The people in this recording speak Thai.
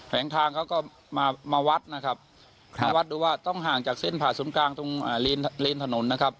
ทางเขาก็มาวัดนะครับมาวัดดูว่าต้องห่างจากเส้นผ่าศูนย์กลางตรงเลนถนนนะครับ